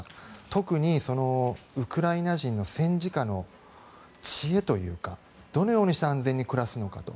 特にウクライナ人の戦時下の知恵というかどのようにして安全に暮らすのかと。